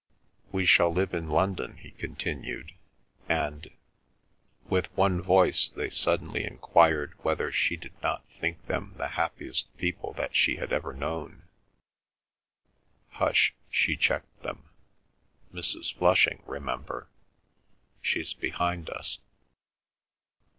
"We shall live in London," he continued, "and—" With one voice they suddenly enquired whether she did not think them the happiest people that she had ever known. "Hush," she checked them, "Mrs. Flushing, remember. She's behind us."